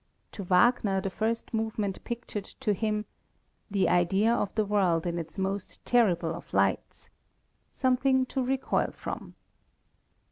To Wagner the first movement pictured to him "the idea of the world in its most terrible of lights," something to recoil from.